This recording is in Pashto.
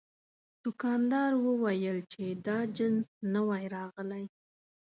دوکاندار وویل چې دا جنس نوی راغلی.